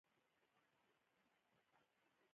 افغانستان د یاقوت د پلوه ځانته ځانګړتیا لري.